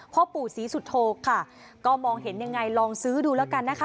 พ่อปู่ศรีสุโธค่ะก็มองเห็นยังไงลองซื้อดูแล้วกันนะคะ